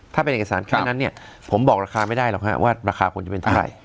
ถ้าเป็นเอกสารแค่นั้นเนี่ยผมบอกราคาไม่ได้หรอกฮะว่าราคาผลจะเป็นเท่าไหร่